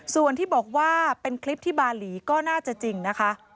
ส่วนที่บอกว่าเป็นคลิปที่บาหลีก็น่าจะจริงนะคะ